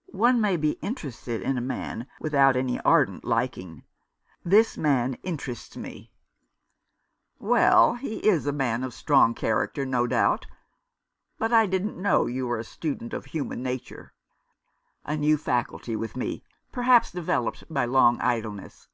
" One may be interested in a man without any ardent liking. This man interests me." 327 Rough Justice. " Well, he is a man of strong character, no doubt ; but I didn't know you were a student of human nature." "A new faculty with me, perhaps developed by long idleness.